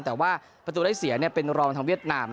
แต่ว่าประตูได้เสียเป็นรองทางเวียดนาม